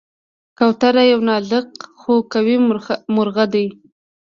کوتره یو نازک خو قوي مرغه ده.